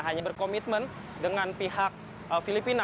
hanya berkomitmen dengan pihak filipina